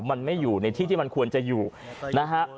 มันไม่อยู่ในที่ที่มันควรจะอยู่นะฮะ